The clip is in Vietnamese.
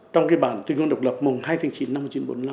trong bản tuyên ngôn độc lập mùng hai chín